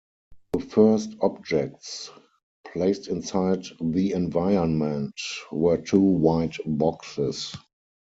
The first objects placed inside the environment were two white boxes.